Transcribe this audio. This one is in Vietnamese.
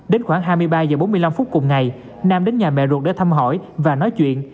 đến khoảng hai mươi ba h bốn mươi năm phút cùng ngày nam đến nhà mẹ ruột để thăm hỏi và nói chuyện